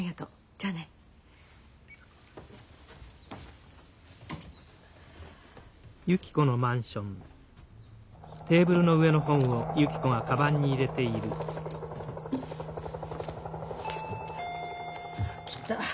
じゃあね。来た。